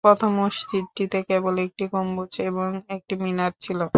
প্রথমে মসজিদটিতে কেবল একটি গম্বুজ এবং একটি মিনার ছিল।